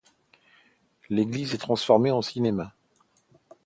L'église est transformée en cinéma.